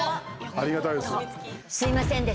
ありがたいです。